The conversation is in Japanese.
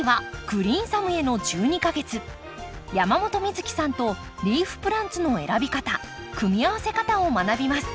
山本美月さんとリーフプランツの選び方組み合わせ方を学びます。